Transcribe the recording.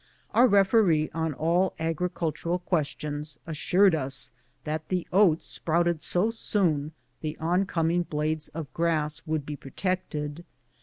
Our referee on all agricultural questions assured us that the oats sprouted so soon, the oncoming blades of grass would be pro tected.